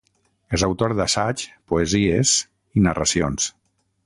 És autor d’assaigs, poesies i narracions.